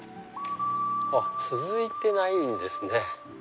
あっ続いてないんですね。